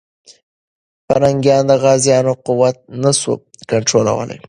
پرنګیان د غازيانو قوت نه سو کنټرولولی.